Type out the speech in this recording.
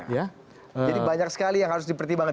jadi banyak sekali yang harus dipertimbangkan